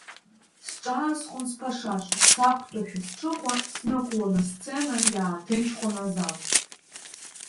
Сҿаасхон сԥашашо, сақәтәоушәа сҽыхәа, снықәлон асцена иааҭынчхон азал.